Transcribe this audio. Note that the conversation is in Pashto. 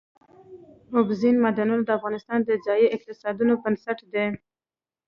اوبزین معدنونه د افغانستان د ځایي اقتصادونو بنسټ دی.